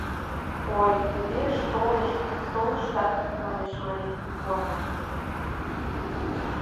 «Ой, пеш толышт, толыштак», Манеш Мари, куана.